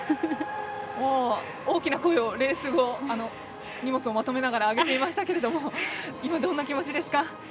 大きな声をレース後、荷物を上げていましたけど今、どんな気持ちですか。